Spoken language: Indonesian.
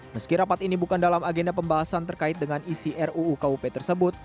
meski rapat ini bukan dalam agenda pembahasan terkait dengan isi ruu kup tersebut